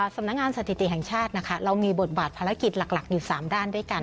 สำนักงานสถิติแห่งชาตินะคะเรามีบทบาทภารกิจหลักอยู่๓ด้านด้วยกัน